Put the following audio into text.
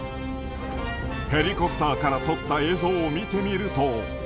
ヘリコプターから撮った映像を見てみると。